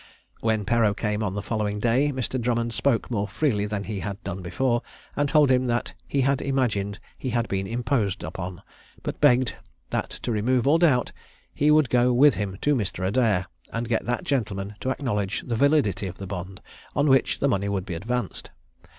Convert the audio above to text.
When Perreau came on the following day, Mr. Drummond spoke more freely than he had done before, and told him that he imagined he had been imposed on; but begged, that to remove all doubt, he would go with him to Mr. Adair, and get that gentleman to acknowledge the validity of the bond, on which the money would be advanced.